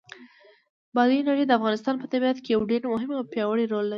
بادي انرژي د افغانستان په طبیعت کې یو ډېر مهم او پیاوړی رول لري.